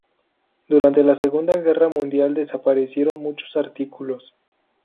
Durante de la Segunda Guerra Mundial desaparecieron muchos artículos.